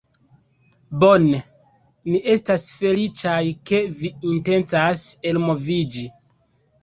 Bone. Ni estas feliĉaj, ke vi intencas elmoviĝi